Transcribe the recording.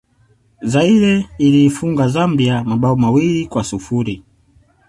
zaire iliifunga zambia mabao mawili kwa sifuri